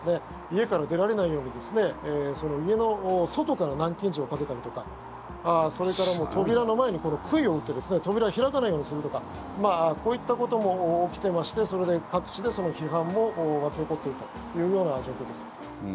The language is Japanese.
家から出られないように家の外から南京錠をかけたりとかそれから扉の前に杭を打って扉を開かないようにするとかこういったことも起きてましてそれで各地で批判も湧き起こっているというような状況です。